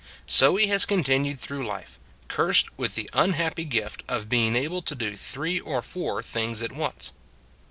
So he has continued through life cursed with the unhappy gift of being able to do three or four things at once.